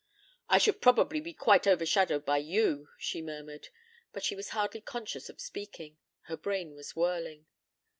"I should probably be quite overshadowed by you," she murmured; but she was hardly conscious of speaking. Her brain was whirling.